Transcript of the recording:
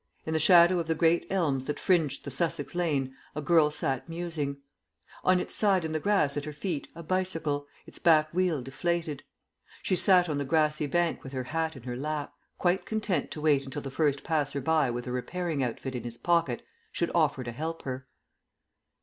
In the shadow of the great elms that fringed the Sussex lane a girl sat musing; on its side in the grass at her feet a bicycle, its back wheel deflated. She sat on the grassy bank with her hat in her lap, quite content to wait until the first passer by with a repairing outfit in his pocket should offer to help her.